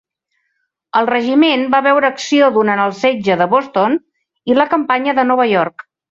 El regiment va veure acció durant el setge de Boston i la campanya de Nova York.